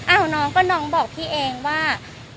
น้องก็น้องบอกพี่เองว่า